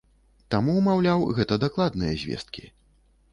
Таму, маўляў, гэта дакладныя звесткі.